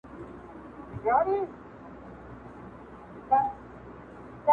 سل ځله مي خبر کړل چي راغلی دی توپان،